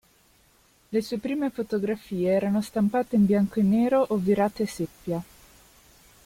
Le sue prime fotografie erano stampate in bianco e nero o virate seppia.